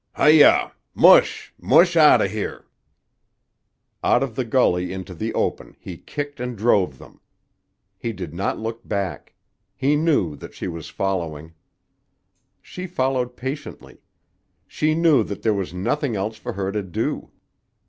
"Hi yah! Mush, mush out of here!" Out of the gully into the open he kicked and drove them. He did not look back. He knew that she was following. She followed patiently. She knew that there was nothing else for her to do.